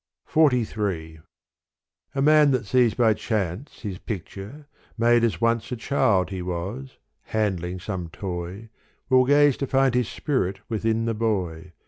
XLIII A MAN that sees by chance his picture, made As once a child he was, handling some toy, Will gaze to find his spirit within the boy.